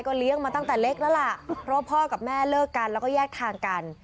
เลี้ยงมาตั้งแต่เล็กแล้วล่ะเพราะพ่อกับแม่เลิกกันแล้วก็แยกทางกัน